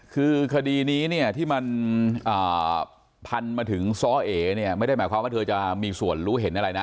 คือคดีนี้เนี่ยที่มันพันมาถึงซ้อเอเนี่ยไม่ได้หมายความว่าเธอจะมีส่วนรู้เห็นอะไรนะ